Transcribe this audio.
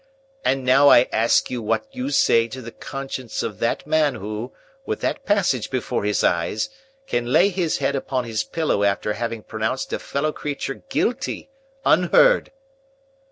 "And now I ask you what you say to the conscience of that man who, with that passage before his eyes, can lay his head upon his pillow after having pronounced a fellow creature guilty, unheard?"